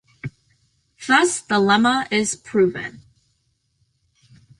Thus the lemma is proven.